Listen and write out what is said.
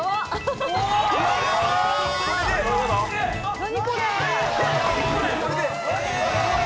何これ！？